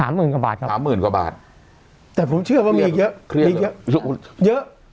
หมื่นกว่าบาทครับสามหมื่นกว่าบาทแต่ผมเชื่อว่ามีอีกเยอะมีเยอะเยอะ